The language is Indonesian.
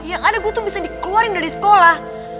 yang ada gue tuh bisa dikeluarin dari sekolah